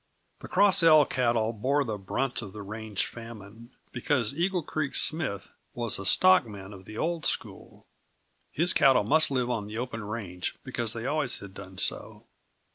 The Cross L cattle bore the brunt of the range famine, because Eagle Creek Smith was a stockman of the old school. His cattle must live on the open range, because they always had done so.